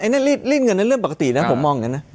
ไอ้นั่นรีดเงินเรื่องปกตินะผมมองอย่างนั้นนะ